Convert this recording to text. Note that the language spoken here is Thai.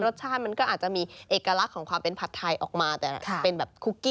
รสชาติมันก็อาจจะมีเอกลักษณ์ของความเป็นผัดไทออกมาแต่ละ